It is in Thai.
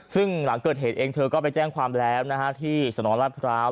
ซึ่งหลังเกิดเหตุเองเธอก็ไปแจ้งความแล้วนะฮะที่สนรัฐพร้าว